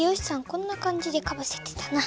こんな感じでかぶせてたな。